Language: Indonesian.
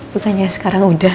bukannya sekarang udah